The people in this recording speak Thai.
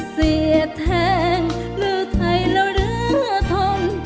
เสียบแทงรู้ไทยแล้วเหลือทน